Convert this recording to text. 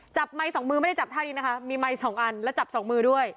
ไมค์สองมือไม่ได้จับท่านี้นะคะมีไมค์สองอันแล้วจับสองมือด้วย